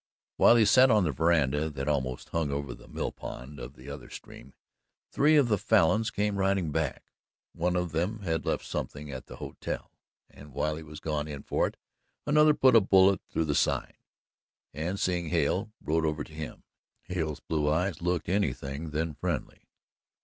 While he sat on the veranda that almost hung over the mill pond of the other stream three of the Falins came riding back. One of them had left something at the hotel, and while he was gone in for it, another put a bullet through the sign, and seeing Hale rode over to him. Hale's blue eye looked anything than friendly.